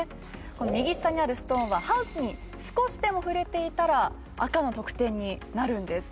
この右下にあるストーンはハウスに少しでも触れていたら赤の得点になるんです。